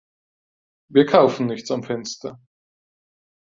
Wir kaufen nichts am Fenster.